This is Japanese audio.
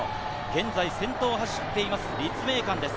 現在、先頭を走っています、立命館です。